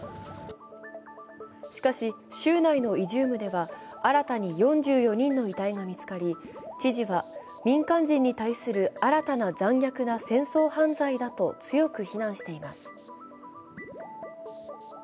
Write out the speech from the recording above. しかし、州内のイジュームでは新たに４４人の遺体が見つかり、知事は民間人に対する新たな残虐な戦争犯罪だと強く非難しています。